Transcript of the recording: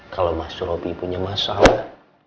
kalau mas roby punya masalah